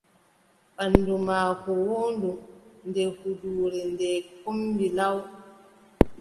Banndu maako woondu, nde huuduure ndee hommbi law.